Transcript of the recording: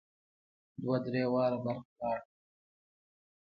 دوه درې واره برق ولاړ.